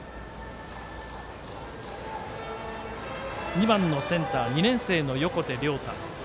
２番のセンター２年生の横手亮汰。